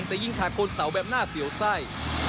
แต่ยิงถากบนเสาแบบหน้าเสียวไส้